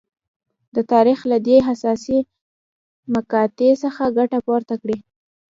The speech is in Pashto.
د تاریخ له دې حساسې مقطعې څخه ګټه پورته کړي.